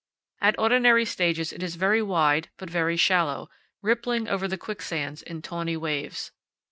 At ordinary stages it is very wide but very shallow, rippling over the quicksands in tawny waves.